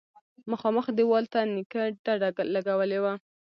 مخامخ دېوال ته نيکه ډډه لگولې وه.